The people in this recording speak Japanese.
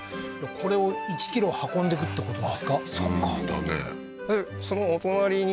これを１ｋｍ運んでくってことですか？